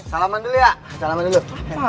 salaman dulu ya salaman dulu